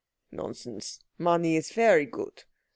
"Nonsense. Money is very good."